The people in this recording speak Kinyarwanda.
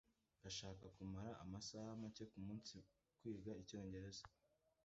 ndashaka kumara amasaha make kumunsi kwiga icyongereza